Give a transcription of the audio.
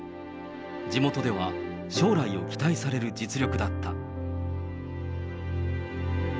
地元では、将来を期待される実力だった。